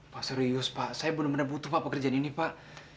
pak serius pak saya benar benar butuh pak pekerjaan ini pak